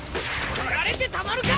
取られてたまるか！